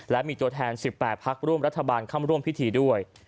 และมีตัวแทน๑๘พักร่วมรัฐบาลเข้าร่วมพิธีด้วย